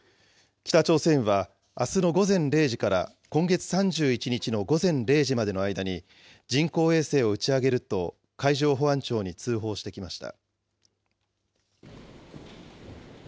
北朝鮮は、あすの午前０時から今月３１日の午前０時までの間に、人工衛星を打ち上げると、海上保安庁に通報してきました。